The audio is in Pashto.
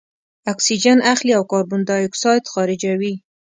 اکسیجن اخلي او کاربن دای اکساید خارجوي.